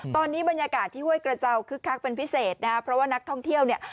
ตอนนี้บรรยากาศที่ห้วยกระเจ้าคึกคักเป็นพิเศษนะครับเพราะว่านักท่องเที่ยวเนี่ย